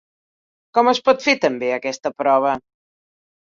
Com es pot fer també aquesta prova?